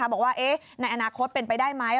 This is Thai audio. บอกว่าในอนาคตเป็นไปได้ไหม